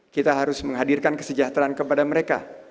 kita harus menghadirkan kesejahteraan kepada mereka